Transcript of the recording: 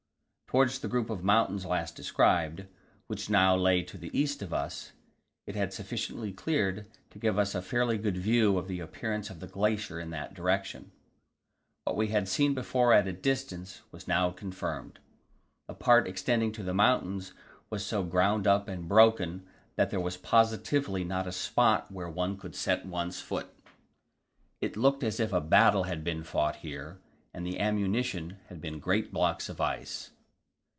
Towards the group of mountains last described which now lay to the east of us it had cleared sufficiently to give us a fairly good view of the appearance of the glacier in that direction. What we had before seen at a distance, was now confirmed. The part extending to the mountains was so ground up and broken that there was positively not a spot where one could set one's foot. It looked as if a battle had been fought here, and the ammunition had been great blocks of ice.